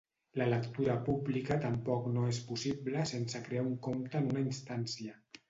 La lectura pública tampoc no és possible sense crear un compte en una instància.